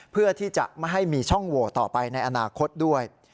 เพื่อที่จะไม่ให้มีช่องโหวตต่อไปในอนาคตด้วย